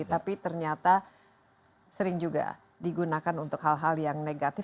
tapi ternyata sering juga digunakan untuk hal hal yang negatif